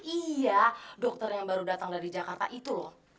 iya dokter yang baru datang dari jakarta itu loh